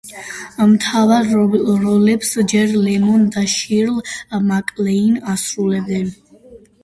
მთავარ როლებს ჯეკ ლემონი და შირლი მაკლეინი ასრულებენ.